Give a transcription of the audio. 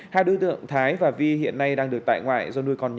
hai đối tượng thái và vi hiện nay đang được tại ngoại do nuôi con nhỏ